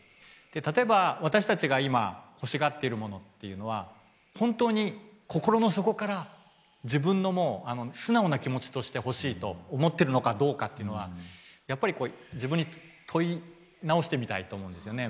例えば私たちが今欲しがってるものっていうのは本当に心の底から自分の素直な気持ちとして欲しいと思ってるのかどうかっていうのはやっぱり自分に問い直してみたいと思うんですよね。